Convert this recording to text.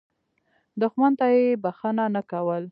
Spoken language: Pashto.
دښمن ته یې بخښنه نه کول.